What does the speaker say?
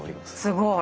すごい。